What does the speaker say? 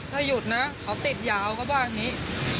ถ้าหยุดนะเค้าติดยาวก็ว่านี้